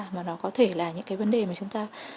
mà nó có thể là những cái vấn đề mà chúng ta